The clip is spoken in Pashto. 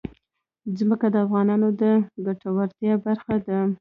ځمکه د افغانانو د ګټورتیا برخه ده.